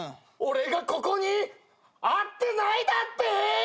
俺がここに合ってないだって！？